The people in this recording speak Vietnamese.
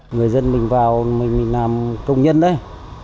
người dân mình vào mình làm công nhân đấy